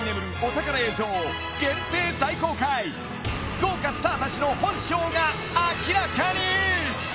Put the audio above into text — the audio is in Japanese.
［豪華スターたちの本性が明らかに］